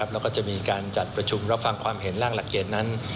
แล้วก็จะมีการจัดประชุมรับฟังความเห็นร่างหลักเกณฑ์นั้น